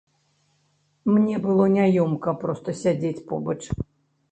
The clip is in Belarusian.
Мне было няёмка проста сядзець побач.